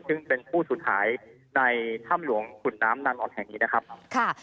ซึ่งเป็นผู้สูญหายในถ้ำหลวงขุนน้ำนางนอนแห่งนี้นะครับค่ะ